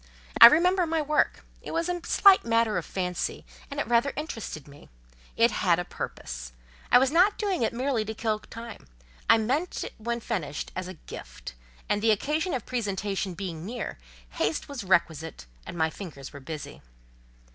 I remember my work; it was a slight matter of fancy, and it rather interested me; it had a purpose; I was not doing it merely to kill time; I meant it when finished as a gift; and the occasion of presentation being near, haste was requisite, and my fingers were busy.